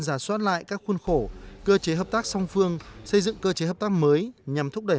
giả soát lại các khuôn khổ cơ chế hợp tác song phương xây dựng cơ chế hợp tác mới nhằm thúc đẩy